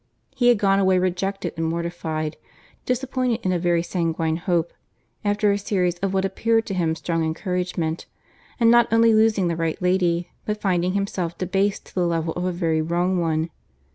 He had gone away rejected and mortified—disappointed in a very sanguine hope, after a series of what appeared to him strong encouragement; and not only losing the right lady, but finding himself debased to the level of a very wrong one.